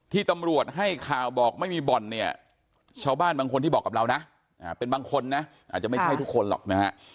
ที่ตำรวจให้ข่าวบอกไม่มีบ่อนเนี่ยชาวบ้านบางคนที่บอกกับเรานะเป็นบางคนนะอาจจะไม่ใช่ทุกคนหรอกนะฮะ